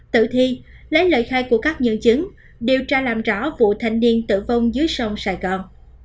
tử thi lấy lời khai của các nhân chứng điều tra làm rõ vụ thanh niên tử vong dưới sông sài gòn